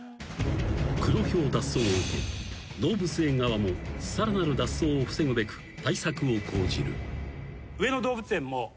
［クロヒョウ脱走を受け動物園側もさらなる脱走を防ぐべく対策を講じる］